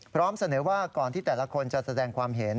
พร้อมเสนอว่าก่อนที่แต่ละคนจะแสดงความเห็น